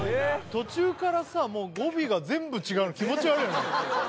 途中からさもう語尾が全部違うの気持ち悪いよね